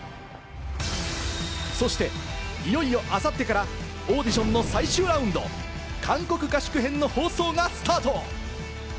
そして、いよいよあさってからオーディションの最終ラウンド、韓国合宿編の放送がスタート。